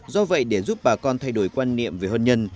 do vậy để giúp bà con thay đổi quan niệm về hôn nhân